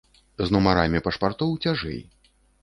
З нумарамі пашпартоў цяжэй.